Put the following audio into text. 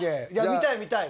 見たい見たい。